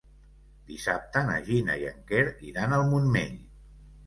Dissabte na Gina i en Quer iran al Montmell.